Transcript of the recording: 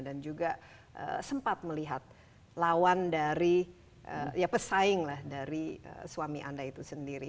dan juga sempat melihat lawan dari ya pesaing lah dari suami anda itu sendiri